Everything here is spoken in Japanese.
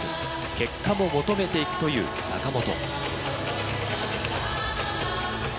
結果も求めて行くという坂本。